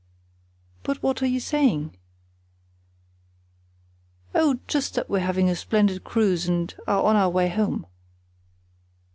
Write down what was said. "But what are you saying?" "Oh, just that we're having a splendid cruise, and are on our way home."